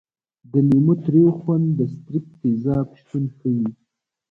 د لیمو تریو خوند د ستریک تیزاب شتون ښيي.